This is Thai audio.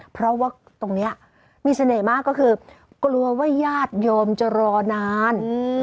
เพราะว่าตรงนี้มีเสน่ห์มากก็คือกลัวว่าญาติโยมจะรอนาน